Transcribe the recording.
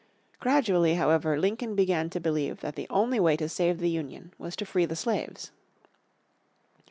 Gradually, however, Lincoln began to believe that the only way to save the Union was to free the slaves.